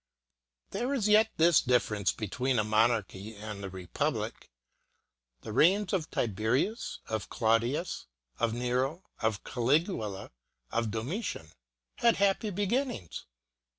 There is yet this difference between a monarchy and the republic; the reigns of Tiberius, of Claudius, of Nero, of Caligula, of Domitian, had happy beginnings.